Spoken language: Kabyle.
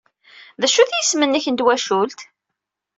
D acu-t yisem-nnek n twacult?